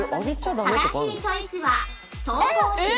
正しいチョイスはえっ！